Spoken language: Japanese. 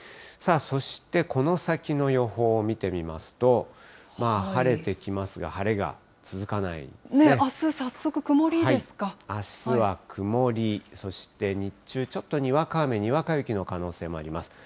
そしてこの先の予報を見てみますと、晴れてきますが、晴れが続かあす、あすは曇り、そして日中、ちょっとにわか雨、にわか雪の可能性あります。